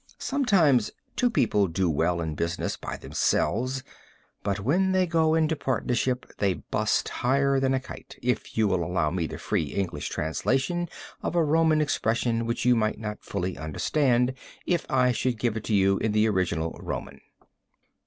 Sometimes two people do well in business by themselves, but when they go into partnership they bust higher than a kite, if you will allow me the free, English translation of a Roman expression which you might not fully understand if I should give it to you in the original Roman.